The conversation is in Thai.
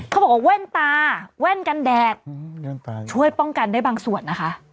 บอกว่าแว่นตาแว่นกันแดดช่วยป้องกันได้บางส่วนนะคะ